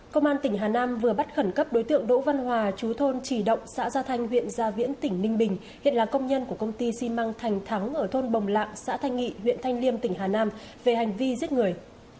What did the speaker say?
công an tỉnh hà nam vừa bắt khẩn cấp đối tượng đỗ văn hòa chú thôn trì động xã gia thanh huyện gia viễn tỉnh ninh bình hiện là công nhân của công ty xi măng thành thắng ở thôn bồng lạng xã thanh nghị huyện thanh liêm tỉnh hà nam về hành vi giết người